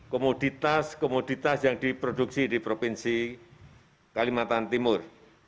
komoditas komoditas yang diproduksi di provinsi kalimantan timur